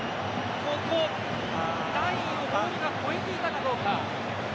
ラインをボールが越えていたかどうか。